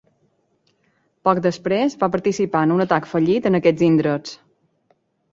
Poc després, va participar en un atac fallit en aquests indrets.